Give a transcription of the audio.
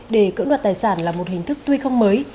để cưỡng đoạt tài sản là một hình thức tuy không mới